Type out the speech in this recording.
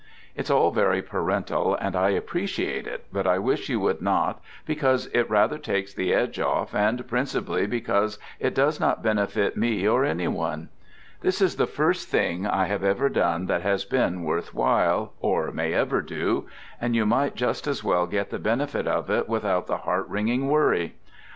It's all very parental and I appreciate it, but I wish you would not because it rather takes the edge off, and principally because it does not benefit me or any one. This is the first thing I have ever done that has been worth while, or may ever do, and you might just as well get the benefit of it without the heart wringing worry.